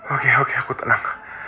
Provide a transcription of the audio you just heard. oke oke aku tenang